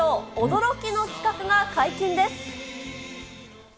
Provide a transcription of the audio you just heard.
驚きの企画が解禁です。